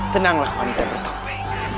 tenanglah wanita bertopeng